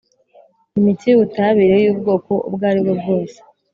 imiti y ubutabire y ubwoko ubwo ari bwo bwose